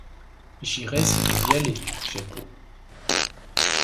J’irai si vous y allez, Jeppo.